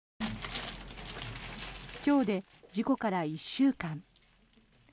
今日で事故から１週間。